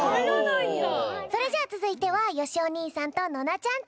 それじゃあつづいてはよしお兄さんとノナちゃんチーム。